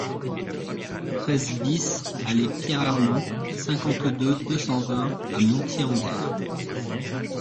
treize BIS allée Pierre Arnoult, cinquante-deux, deux cent vingt à Montier-en-Der